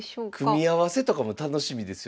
組み合わせとかも楽しみですよね。